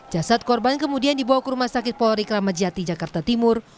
jasad korban kemudian dibawa ke rumah sakit polri kramat jati jakarta timur